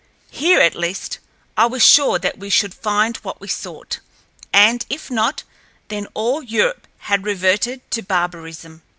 Here, at least, I was sure that we should find what we sought—and, if not, then all Europe had reverted to barbarism.